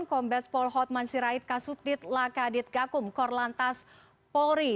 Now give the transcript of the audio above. kombes pol hotman sirait kasubdit lakadit gakum korlantas polri